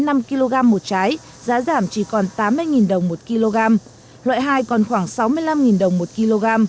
giá sầu riêng một trái giảm chỉ còn tám mươi đồng một kg loại hai còn khoảng sáu mươi năm đồng một kg